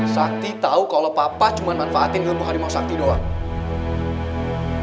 sakti tahu kalau papa cuma manfaatin ilmu harimau sakti doang